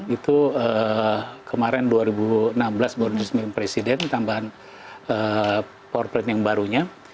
itu kemarin dua ribu enam belas baru disemirin presiden tambahan power plant yang barunya